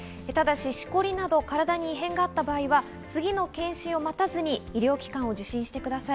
ただし、しこりなど体に異変があった場合は次の検診を待たずに医療機関を受診してください。